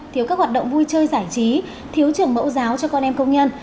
thiếu các hoạt động vui chơi giải trí thiếu trường mẫu giáo cho con em công nhân